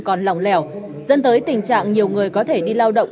còn lòng lẻo dẫn tới tình trạng nhiều người có thể đi lao động